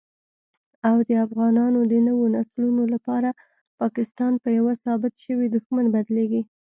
او دافغانانو دنويو نسلونو لپاره پاکستان په يوه ثابت شوي دښمن بدليږي